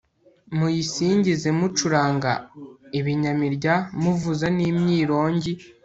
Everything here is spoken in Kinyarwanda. muyisingize mucuranga ibinyamirya, muvuza n'imyirongi